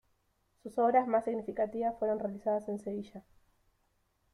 Sus obras más significativas fueron realizadas en Sevilla.